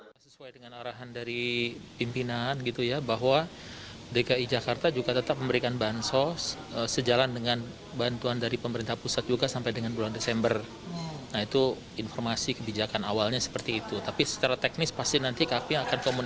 keputusan ini disampaikan kepala dinas sosial dki jakarta irman syah